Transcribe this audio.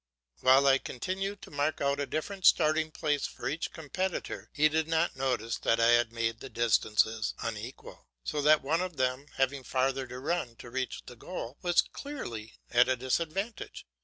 While I continued to mark out a different starting place for each competitor, he did not notice that I had made the distances unequal, so that one of them, having farther to run to reach the goal, was clearly at a disadvantage.